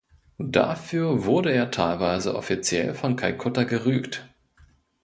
Dafür wurde er teilweise offiziell von Kalkutta gerügt.